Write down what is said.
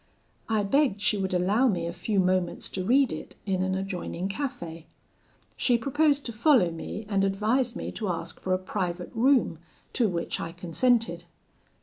I begged she would allow me a few moments to read it in an adjoining cafe. She proposed to follow me, and advised me to ask for a private room, to which I consented.